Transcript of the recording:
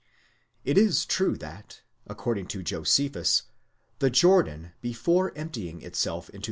It is true that, according to Josephus, the Jordan before emptying itself into.